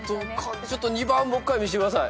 ２番もっかい見してください。